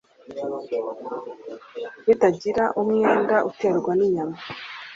bitagira umwanda uterwa n’inyama.